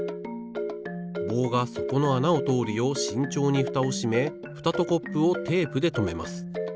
棒がそこのあなをとおるようしんちょうにフタをしめフタとコップをテープでとめます。